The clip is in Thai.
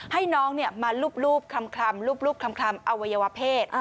ให้น้องเนี่ยมาลูบคลำอวัยวเพศ